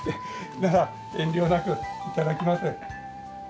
奈良、遠慮なくいただきます。